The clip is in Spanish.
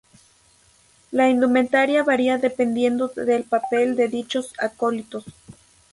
La indumentaria varía dependiendo del papel de dichos acólitos.